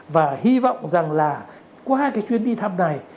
và hy vọng rằng là qua cái chuyến đi thăm này